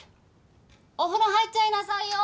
お風呂入っちゃいなさいよ！